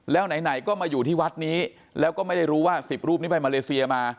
แล้วไหนก็มาอยู่ที่วัดนี้แล้วก็ไม่ได้รู้ว่า๑๐รูปนี้ไปมาเลเซียมา